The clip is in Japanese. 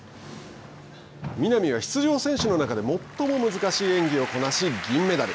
南は出場選手の中で最も難しい演技をこなし銀メダル。